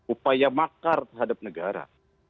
upaya makar terhadap negara